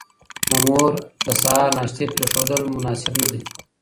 د مور د سهار ناشتې پرېښودل مناسب نه دي.